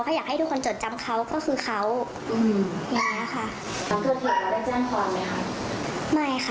เขาอยากให้ทุกคนจดจำเขาก็คือเขาอย่างเงี้ยค่ะ